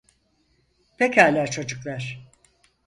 Pekala çocuklar.